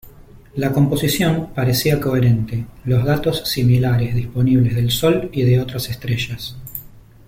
La composición parecía coherente los datos similares disponibles del sol y de otras estrellas.